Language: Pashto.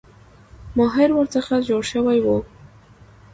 ماهر ورڅخه جوړ شوی وو.